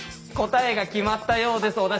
答えが決まったようです。